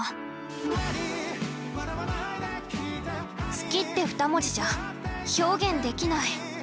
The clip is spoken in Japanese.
「好き」って２文字じゃ表現できない。